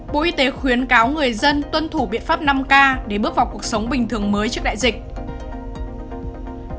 bộ y tế khuyến cáo người dân tuân thủ biện pháp năm k để bước vào cuộc sống bình thường mới trước đại dịch